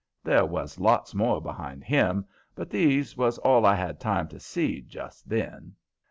There was lots more behind him, but these was all I had time to see just then.